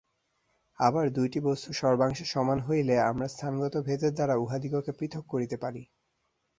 আবার দুইটি বস্তু সর্বাংশে সমান হইলে আমরা স্থানগত ভেদের দ্বারা উহাদিগকে পৃথক করিতে পারি।